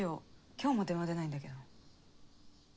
今日も電話出ないんだけど。